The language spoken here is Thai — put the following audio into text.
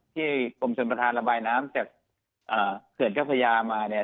ที่บริมณบันดาลณ์ระบายน้ำจากเขื่อนเจ้าพยามาเนี่ย